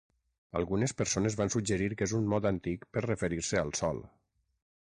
Algunes persones van suggerir que és un mot antic per referir-se al sol.